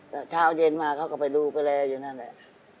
แต่เช้าเย็นมาเขาก็ไปดูไปแลอยู่นั่นแหละ